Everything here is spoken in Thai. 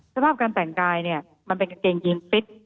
สภาพการแต่งกายเนี่ยมันเป็นกางเกงยีนฟิต